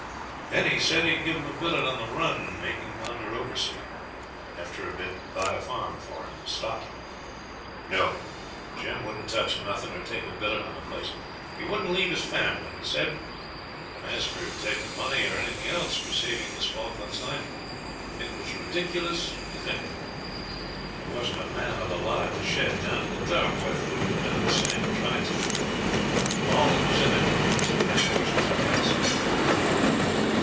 Then he said he'd give him a billet on the run make him under overseer; after a bit buy a farm for him and stock it. No! Jim wouldn't touch nothing or take a billet on the place. He wouldn't leave his family, he said. And as for taking money or anything else for saving Miss Falkland's life, it was ridiculous to think of it. There wasn't a man of the lot in the shed, down to the tarboy, that wouldn't have done the same, or tried to. All that was in it was that his horse was the fastest.